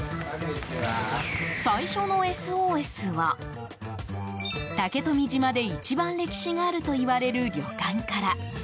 最初のＳＯＳは竹富島で一番歴史があるといわれる旅館から。